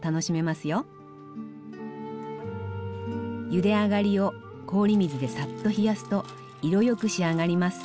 ゆで上がりを氷水でサッと冷やすと色よく仕上がります。